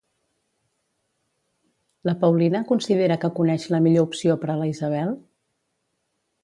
La Paulina considera que coneix la millor opció per a la Isabel?